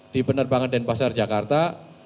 di penerbangan denpasar jakarta